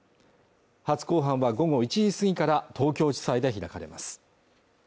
初公判は午後１時過ぎから東京地裁で開かれます